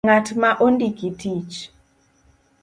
Ng'at ma ondiki tich